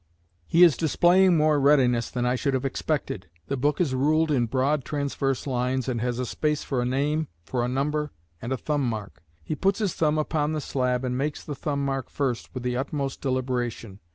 He is displaying more readiness than I should have expected. The book is ruled in broad transverse lines, and has a space for a name, for a number, and a thumbmark. He puts his thumb upon the slab and makes the thumbmark first with the utmost deliberation.